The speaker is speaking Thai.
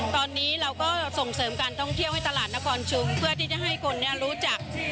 ตอนนี้เราก็ส่งเสริมการท่องเที่ยวให้ตลาดนครชุมเพื่อที่จะให้คนรู้จัก